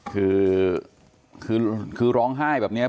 คือคือคือร้องไห้แบบเนี้ย